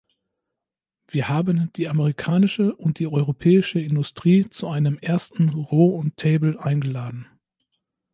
Wir haben die amerikanische und die europäische Industrie zu einem ersten ro- und table eingeladen.